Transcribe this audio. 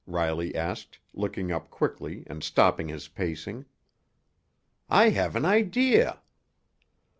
Riley asked, looking up quickly and stopping his pacing. "I have an idea."